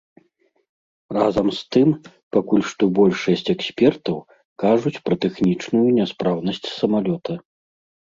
Разам з тым, пакуль што большасць экспертаў кажуць пра тэхнічную няспраўнасць самалёта.